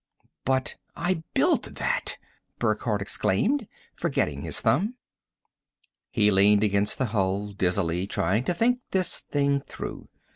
"But I built that!" Burckhardt exclaimed, forgetting his thumb. He leaned against the hull dizzily, trying to think this thing through.